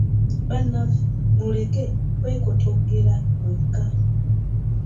Bannaffe muleke kwekotoggera mwekka.